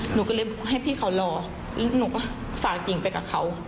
หนูก็เลยให้พี่เขารอแล้วหนูก็ฝากหญิงไปกับเขา